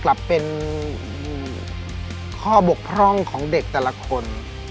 กลับเป็นข้อบกพร่องของเด็กแต่ละคน